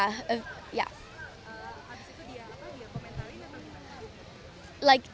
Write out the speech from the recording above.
habis itu dia apa dia komentarin atau